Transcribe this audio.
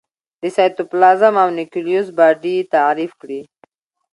د سایتوپلازم او نیوکلیوس باډي تعریف کړي.